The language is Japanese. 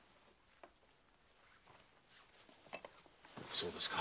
そうですか。